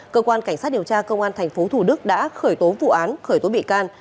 cơ quan cảnh sát điều tra công an tp hcm đã khởi tố vụ án khởi tố bị can